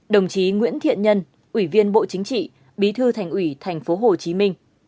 một mươi sáu đồng chí nguyễn thiện nhân ủy viên bộ chính trị bí thư thành ủy tp hcm